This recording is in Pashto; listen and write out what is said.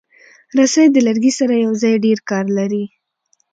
رسۍ د لرګي سره یوځای ډېر کار لري.